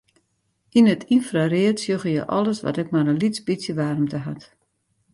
Yn it ynfraread sjogge je alles wat ek mar in lyts bytsje waarmte hat.